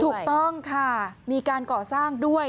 ถูกต้องค่ะมีการก่อสร้างด้วย